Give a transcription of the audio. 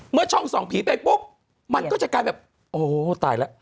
ช่องส่องผีไปปุ๊บมันก็จะกลายแบบโอ้ตายแล้ว